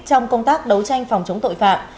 trong công tác đấu tranh phòng chống tội phạm